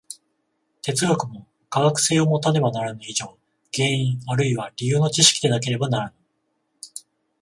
哲学も科学性をもたねばならぬ以上、原因あるいは理由の知識でなければならぬ。